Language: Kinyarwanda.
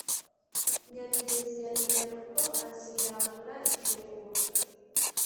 nyamigezi ya minyaruko aziramvura i cyungo